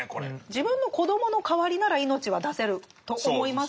自分の子どもの代わりならいのちは出せると思いますけども。